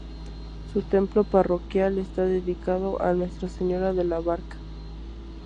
Su templo parroquial está dedicado a Nuestra Señora de la Barca.